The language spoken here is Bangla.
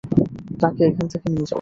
তাকে এখান থেকে নিয়ে যাও!